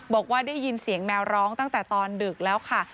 บอกว่าได้ยินเสียงแมวร้องตั้งแต่ตอนดึกแล้วค่ะ